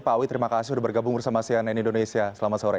pak awi terima kasih sudah bergabung bersama cnn indonesia selamat sore